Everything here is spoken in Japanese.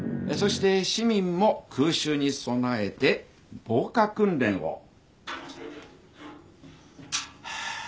そして市民も空襲に備えて防火訓練を。